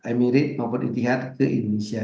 emirates maupun etihad ke indonesia